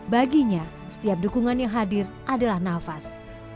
baginya setiap dukungan yang hadir adalah nafas